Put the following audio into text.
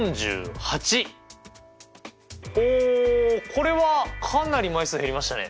これはかなり枚数減りましたね。